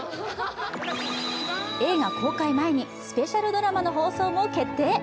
映画公開前にスペシャルドラマの放送も決定。